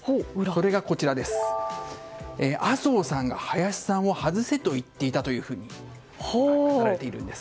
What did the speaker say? それが麻生さんが林さんを外せと言っていたというふうに語られているんです。